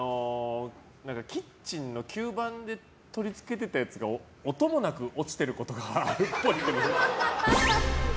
キッチンの吸盤で取り付けてたやつが音もなく落ちてることが多いっぽい。